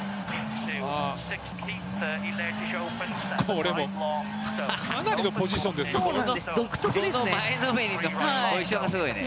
これもかなりのポジションですね。